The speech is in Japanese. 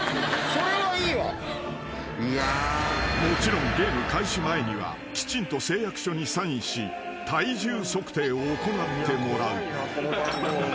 ［もちろんゲーム開始前にはきちんと誓約書にサインし体重測定を行ってもらう］